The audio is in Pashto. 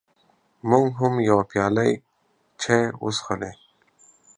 موږ هم یوه پیاله چای وڅښلې.